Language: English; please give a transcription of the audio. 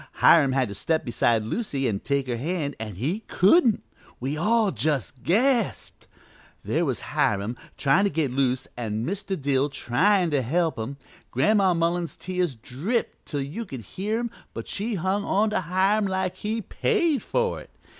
Hiram had to step beside Lucy an' take her hand an' he couldn't! We all just gasped. There was Hiram tryin' to get loose and Mr. Dill tryin' to help him. Gran'ma Mullins's tears dripped till you could hear 'em, but she hung on to Hiram like he'd paid for it.